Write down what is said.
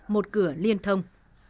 một cửa liên thông